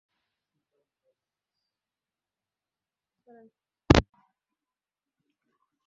প্রদীপটা এখনো জ্বলিতেছে মনে করিয়া সীতারামের অত্যন্ত আনন্দ হইল।